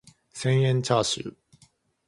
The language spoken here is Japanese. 千円チャーシュー